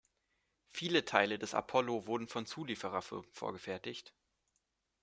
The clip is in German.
Viele Teile des Apollo wurden von Zulieferfirmen vorgefertigt.